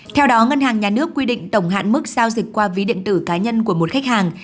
theo đó ngân hàng nhà nước quy định tổng hạn mức giao dịch qua ví điện tử cá nhân của một khách hàng